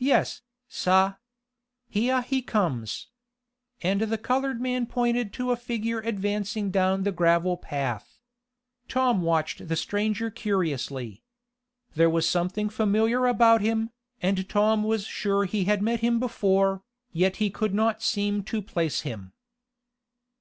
"Yes, sah. Heah he comes." And the colored man pointed to a figure advancing down the gravel path. Tom watched the stranger curiously. There was something familiar about him, and Tom was sure he had met him before, yet he could not seem to place him.